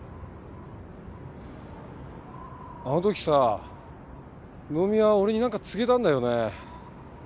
あの時さ能見は俺になんか告げたんだよね。